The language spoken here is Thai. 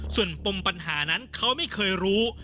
ส่วนปมปัญหานั้นเขาไม่เคยรู้